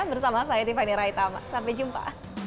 bersama saya tiffany raitama sampai jumpa